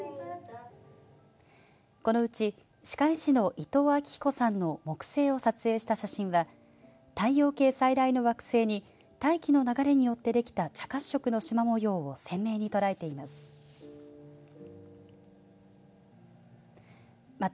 このうち、歯科医師の伊藤明彦さんの木星を撮影した写真は太陽系最大の惑星に大気の流れによってできた茶褐色のしま模様を鮮明に捉えています。